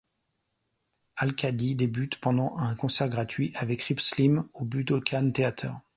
Halcali débutent pendant un concert gratuit avec Rip Slyme au Budokan Theatre.